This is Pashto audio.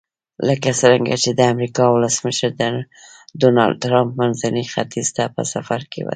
لکه څرنګه چې د امریکا ولسمشر ډونلډ ټرمپ منځني ختیځ ته په سفر وتلی.